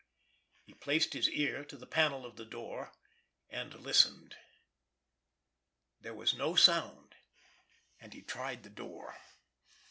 He placed his ear to the panel of the door, and listened. There was no sound, and he tried the door.